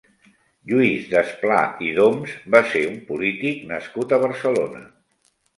Lluís Desplà i d'Oms va ser un polític nascut a Barcelona.